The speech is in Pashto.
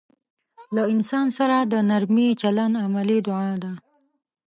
له انسان سره د نرمي چلند عملي دعا ده.